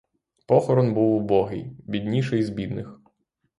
Похорон був убогий, бідніший з бідних.